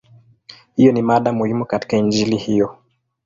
Hiyo ni mada muhimu katika Injili hiyo.